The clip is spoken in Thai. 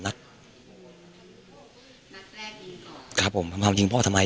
นัดแรกยิงขอครับผมว่ามันจิงพ่อทำไม